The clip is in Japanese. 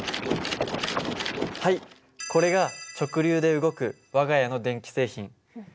はいこれが直流で動く我が家の電気製品。